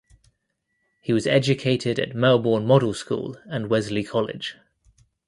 He was educated at Melbourne Model School and Wesley College.